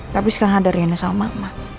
tapi sekarang ada rina sama ma